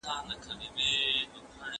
قلم د زلفو يې د